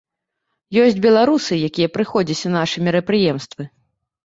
Ёсць беларусы, якія прыходзяць на нашы мерапрыемствы.